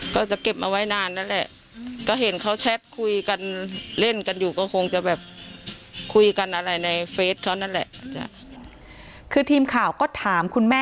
คือทีมข่าวก็ถามคุณแม่มีประโยชน์ไงบ้าง